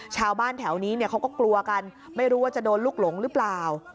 ชาวบ้านแถวนี้เขาก็กลัวกันไม่รู้ว่าจะโดนลูกหลงหรือเปล่า